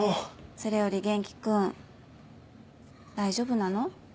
それより元気君大丈夫なの？